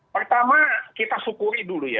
pertama kita syukuri dulu ya